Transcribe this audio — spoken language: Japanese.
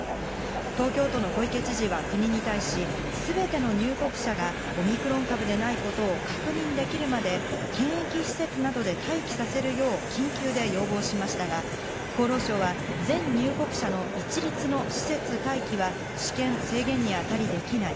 東京都の小池知事は国に対し、すべての入国者がオミクロン株でないことを確認できるまで、検疫施設などで待機させるよう緊急で要望しましたが、厚労省は、全入国者の一律の施設待機は私権制限に当たりできない。